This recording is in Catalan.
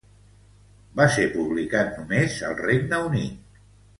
Va ser publicat només al Regne Unit.